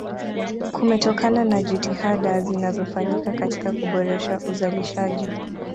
kumetokana na jitihada zinazofanyika katika kuboresha uzalishaji